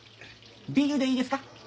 ビールでいいですか？